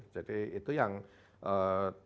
jadi itu yang tenggat